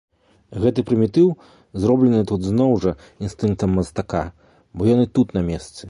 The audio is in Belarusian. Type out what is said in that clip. Гэты прымітыў зроблены тут зноў жа інстынктам мастака, бо ён і тут на месцы.